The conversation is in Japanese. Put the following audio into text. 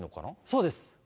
そうです。